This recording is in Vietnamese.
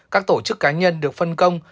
các tổ chức cá nhân được phân công